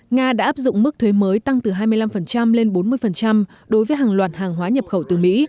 nga đã áp dụng mức thuế mới tăng từ hai mươi năm lên bốn mươi đối với hàng loạt hàng hóa nhập khẩu từ mỹ